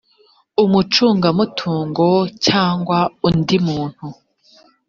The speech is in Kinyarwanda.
umucungamutungo cyangwa undi muntu